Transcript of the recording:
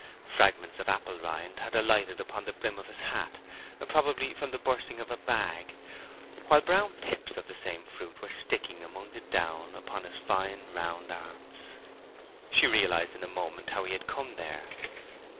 Fragments of apple rind had alighted upon the brim of his hat—probably from the bursting of a bag—while brown pips of the same fruit were sticking among the down upon his fine, round arms. She realized in a moment how he had come there.